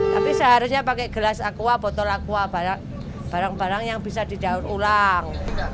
tapi seharusnya pakai gelas aqua botol aqua barang barang yang bisa didaur ulang